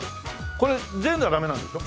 これ全裸はダメなんでしょ？